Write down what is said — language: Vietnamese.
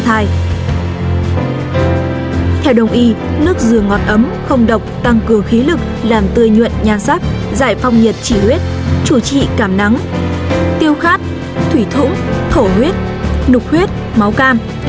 theo đồng ý nước dừa ngọt ấm không độc tăng cường khí lực làm tươi nhuận nhan sắc giải phong nhiệt trị huyết chủ trị cảm nắng tiêu khát thủy thủng thổ huyết nục huyết máu cam